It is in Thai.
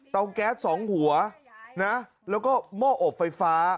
แก๊สสองหัวนะแล้วก็หม้ออบไฟฟ้า